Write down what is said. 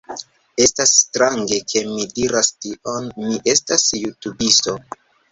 Estas strange, ke mi diras tion, mi estas jutubisto